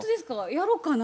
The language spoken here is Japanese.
やろっかな。